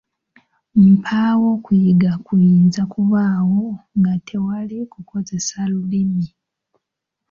Mpaawo kuyiga kuyinza kubaawo nga tewali kukozesa Lulimi.